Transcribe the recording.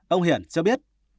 ông hiển cho biết